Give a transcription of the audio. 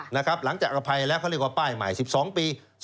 หลังจากอภัยแล้วเขาเรียกว่าป้ายใหม่๑๒ปี